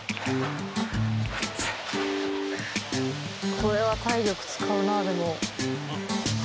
これは体力使うなでも。